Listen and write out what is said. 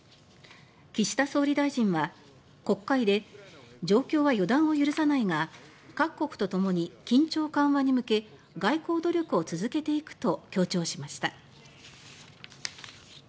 岸田総理大臣は国会で状況は予断を許さないが各国とともに緊張緩和に向け外交努力を続けていくと強調しました。